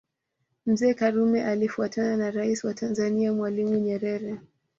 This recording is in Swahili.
Mzee Karume alifuatana na Rais wa Tanzania Mwalimu Nyerere